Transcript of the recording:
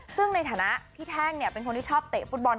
ซึ่งในฐานะพี่แท่งเป็นคนที่ชอบเตะฟุตบอล